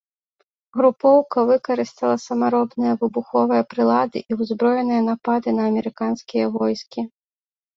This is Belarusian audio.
Групоўка выкарыстала самаробныя выбуховыя прылады і ўзброеныя напады на амерыканскія войскі.